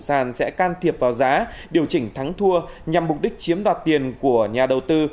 sản sẽ can thiệp vào giá điều chỉnh thắng thua nhằm mục đích chiếm đoạt tiền của nhà đầu tư